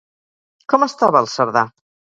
Com estava el Cerdà?